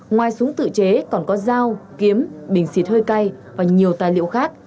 ngoài súng tự chế còn có dao kiếm bình xịt hơi cay và nhiều tài liệu khác